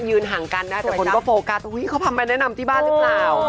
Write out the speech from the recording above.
ห่างกันนะแต่คนก็โฟกัสเขาทำไมแนะนำที่บ้านหรือเปล่า